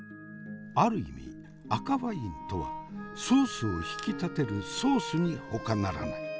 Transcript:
ある意味赤ワインとはソースを引き立てるソースにほかならない。